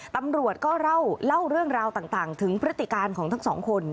ตำรวจก็เล่าเรื่องราวต่างถึงพฤติการของทั้งสองคน